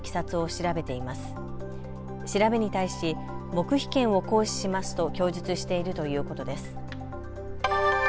調べに対し黙秘権を行使しますと供述しているということです。